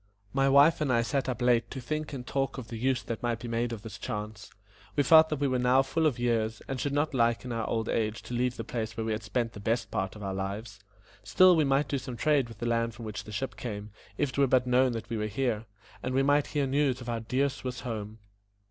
My wife and I sat up late to think and talk of the use that might be made of this chance. We felt that we were now full of years, and should not like in our old age to leave the place where we had spent the best part of our lives; still we might do some trade with the land from which the ship came, if it were but known that we were here, and we might hear news of our dear Swiss home.